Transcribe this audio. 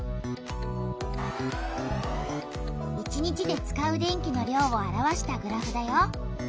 １日で使う電気の量を表したグラフだよ。